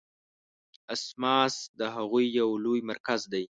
اسماس د هغوی یو لوی مرکز دی.